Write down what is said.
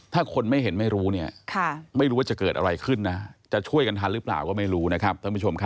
ถ้าคนไม่เห็นไม่รู้ไม่รู้ว่าจะเกิดอะไรขึ้นจะช่วยกันทันหรือเปล่าก็ไม่รู้นะครับ